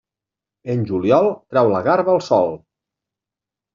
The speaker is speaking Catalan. En juliol, trau la garba al sol.